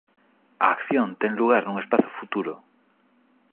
A acción ten lugar nun espazo futuro.